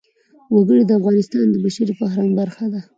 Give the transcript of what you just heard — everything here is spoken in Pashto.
وګړي د افغانستان د بشري فرهنګ برخه ده.